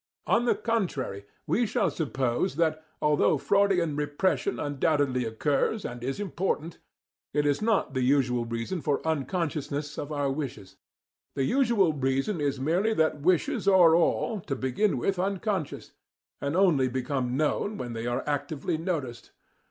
On the contrary, we shall suppose that, although Freudian "repression" undoubtedly occurs and is important, it is not the usual reason for unconsciousness of our wishes. The usual reason is merely that wishes are all, to begin with, unconscious, and only become known when they are actively noticed.